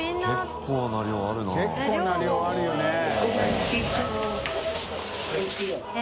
結構な量あるよね。